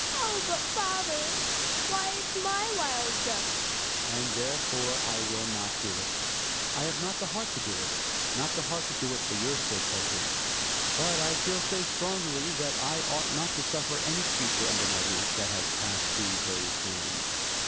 Oh \ but father — why it's my wild duck. kP, nS "YA)' Hjalmar. And therefore I will not do it. I have not the heart to do it — not the heart to do it for your , sake, Hedvig. But I feel so strongly that I ought not to suffer any creature under my roof that has passed through those hands.